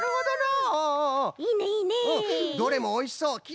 どれもおいしそう！